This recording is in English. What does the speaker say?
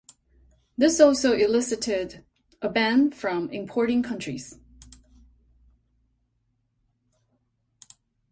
This also elicited a ban from importing countries.